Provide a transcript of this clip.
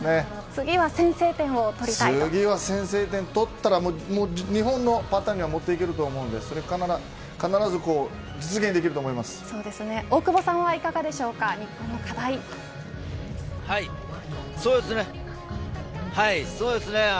次は先制点取ったら日本のパターンにはもっていけると思うので大久保さんはいかがでしょうかはい、そうですね。